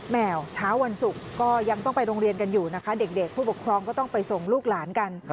แห่เช้าวันศุกร์ก็ยังต้องไปโรงเรียนกันอยู่นะคะเด็กผู้ปกครองก็ต้องไปส่งลูกหลานกัน